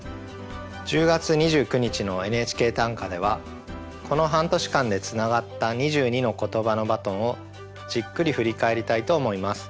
１０月２９日の「ＮＨＫ短歌」ではこの半年間でつながった２２の「ことばのバトン」をじっくり振り返りたいと思います。